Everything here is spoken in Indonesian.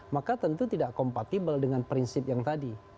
maka tentu tidak kompatibel dengan prinsip yang tadi